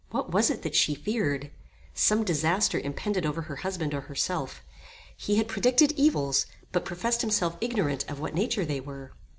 What was it that she feared? Some disaster impended over her husband or herself. He had predicted evils, but professed himself ignorant of what nature they were.